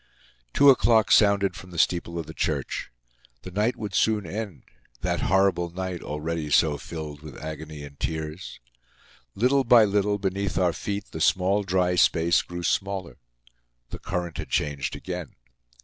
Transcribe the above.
Two o'clock sounded from the steeple of the church. The night would soon end—that horrible night already so filled with agony and tears. Little by little, beneath our feet, the small dry space grew smaller. The current had changed again.